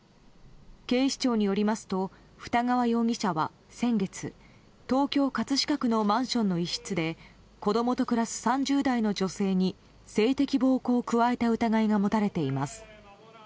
警視庁によりますと二川容疑者は先月東京・葛飾区のマンションの一室で子供と暮らす３０代の女性に性的暴行を加えた疑いが持たれています。